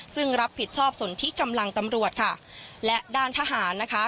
ซึ่งรับผิดชอบสนที่กำลังตำรวจค่ะและด้านทหารนะคะ